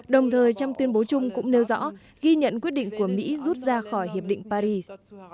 đồng thời trong tuyên bố chung cũng nêu rõ ghi nhận quyết định của mỹ rút ra khỏi hiệp định paris